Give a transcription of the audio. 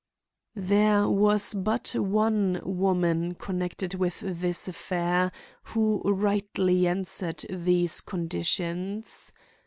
There was but one woman connected with this affair who rightly answered these conditions.